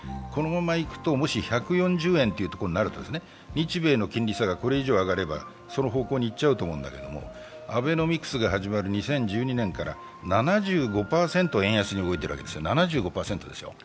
円安ももし１４０円となると日米の金利差がこれ以上上がればその方向にいっちゃうと思うけどアベノミクスが始まる２００２年から７５％円安に動いているわけです。